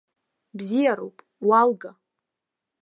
Бзиароуп, уалга!